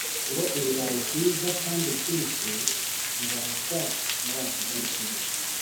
ngo ibirayi byiza kandi byinshi bibarizwa muri ako gace